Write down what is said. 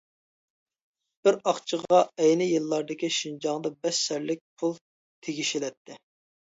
بىر ئاقچىغا ئەينى يىللاردىكى شىنجاڭدا بەش سەرلىك پۇل تېگىشىلەتتى.